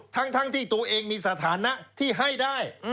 ทั้งที่ตัวเองมีสถานะที่ให้ได้